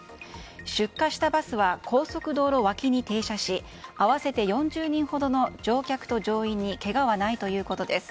出火したバスは高速道路脇に停車し合わせて４０人ほどの乗客と乗員にけがはないということです。